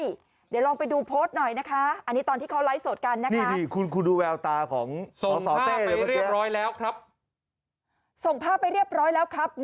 เดี๋ยวลองไปดูโพสต์หน่อยนะคะอันนี้ตอนที่เขาไลฟ์สดกันนะคะ